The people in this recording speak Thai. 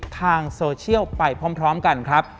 ทางโซเชียลไปพร้อมกันครับ